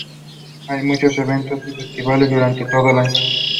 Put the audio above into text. He was born in Champaran District.